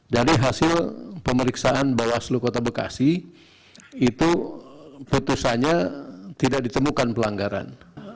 dari hasil pemeriksaan bawaslu kota bekasi itu putusannya tidak ditemukan pelanggaran